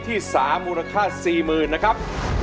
ความรักความรักเจ้าค้า